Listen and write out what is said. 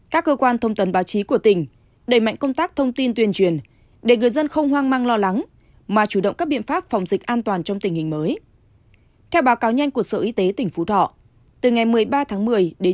các cơ quan thông tấn báo chí của tỉnh đẩy mạnh công tác thông tin tuyên truyền để người dân không hoang mang lo lắng mà chủ động các biện pháp phòng dịch an toàn trong tình hình mới